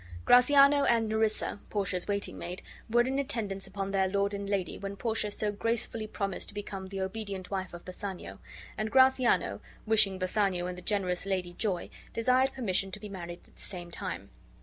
Gratiano and Nerissa, Portia's waiting maid, were in attendance upon their lord and lady when Portia so gracefully promised to become the obedient wife of Bassanio; and Gratiano, wishing Bassanio and the generous lady joy, desired permission to be married at the same time.